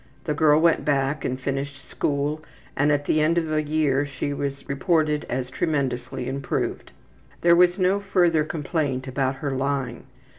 The girl went back and finished school and at the end of a year was reported as tremendously improved. There was no further complaint about her lying.